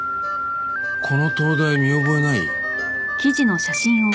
この灯台見覚えない？